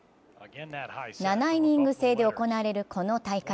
７イニング制で行われるこの大会。